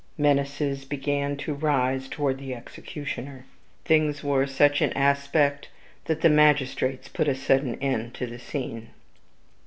Menaces began to rise toward the executioner. Things wore such an aspect that the magistrates put a sudden end to the scene.